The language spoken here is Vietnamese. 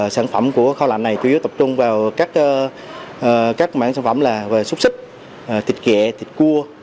sản phẩm của kho lạnh này tự nhiên tập trung vào các mảng sản phẩm là xúc xích thịt ghẹ thịt cua